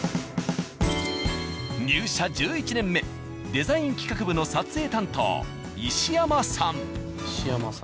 入社１１年目デザイン企画部の撮影担当石山さん。